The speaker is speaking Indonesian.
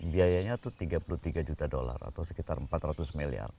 biayanya itu tiga puluh tiga juta dolar atau sekitar empat ratus miliar